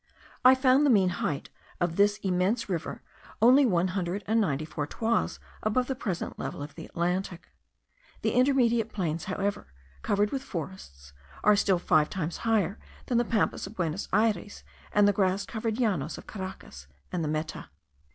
I found the mean height of this immense river only one hundred and ninety four toises above the present level of the Atlantic. The intermediate plains, however, covered with forests, are still five times higher than the Pampas of Buenos Ayres, and the grass covered Llanos of Caracas and the Meta.